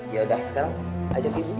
yaudah sekarang ajak ibu